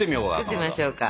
作ってみましょうか。